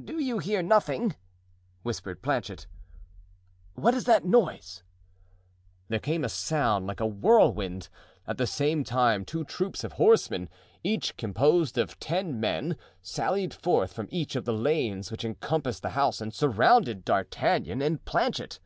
"Do you hear nothing?" whispered Planchet. "What is that noise?" There came a sound like a whirlwind, at the same time two troops of horsemen, each composed of ten men, sallied forth from each of the lanes which encompassed the house and surrounded D'Artagnan and Planchet.